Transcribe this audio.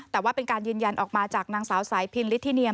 แต่ว่าเป็นการยืนยันออกมาจากนางสาวสายพินลิทิเนียม